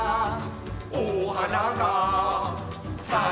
「おはながさいてる」